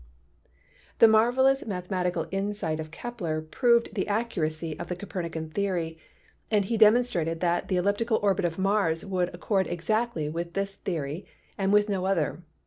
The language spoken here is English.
The marvelous 22 PHYSICS mathematical insight of Kepler proved the accuracy of the Copernican theory, and he demonstrated that the elliptical orbit of Mars would accord exactly with this theory and with no other.